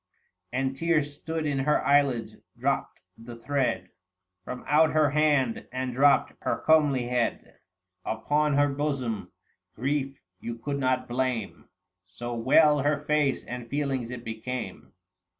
810 And tears stood in her eyelids, clropt the thread From out her hand, and dropped her comely head Upon her bosom ; grief you could not blame, So well her face and feelings it became.